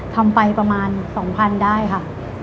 ทำไปประมาณ๒๐๐๐ได้ค่ะ